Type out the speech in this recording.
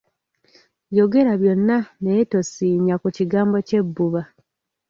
Yogera byonna naye tosiinya ku kigambo ky'ebbuba.